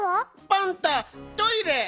パンタトイレ。